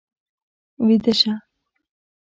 ويده شه.